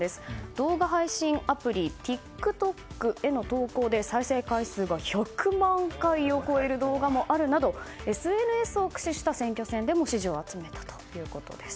動画配信アプリＴｉｋＴｏｋへの投稿で再生回数が１００万回を超える動画もあるなどＳＮＳを駆使した選挙戦でも支持を集めたということです。